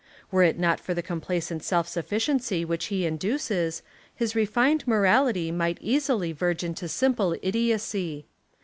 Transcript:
Were it not for the complacent self suf ficiency which he induces, his refined morality might easily verge into simple idiocy.